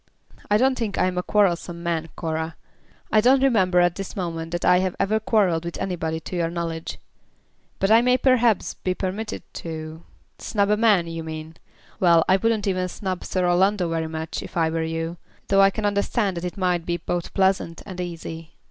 "I don't think I am a quarrelsome man, Cora. I don't remember at this moment that I have ever quarrelled with anybody to your knowledge. But I may perhaps be permitted to " "Snub a man, you mean. Well, I wouldn't even snub Sir Orlando very much, if I were you; though I can understand that it might be both pleasant and easy."